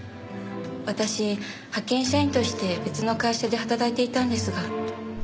私派遣社員として別の会社で働いていたんですが。